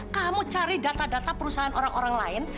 kamu cari data data perusahaan orang orang lain